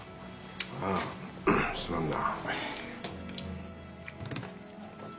あぁすまんな。